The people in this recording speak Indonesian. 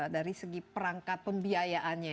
dari segi perangkat pembiayaannya